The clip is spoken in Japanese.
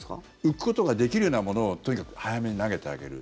浮くことができるようなものをとにかく早めに投げてあげる。